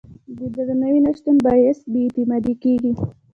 د درناوي نه شتون باعث بې اعتمادي کېږي.